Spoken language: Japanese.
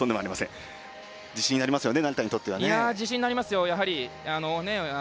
自信になりますよね。